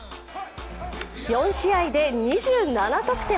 ４試合で２７得点。